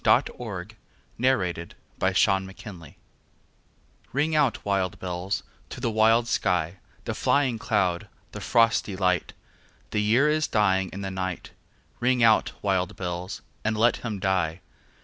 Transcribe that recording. Alfred, Lord Tennyson Ring Out, Wild Bells RING out, wild bells, to the wild sky, The flying cloud, the frosty light; The year is dying in the night; Ring out, wild bells, and let him die.